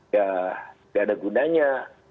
ya tidak ada gunanya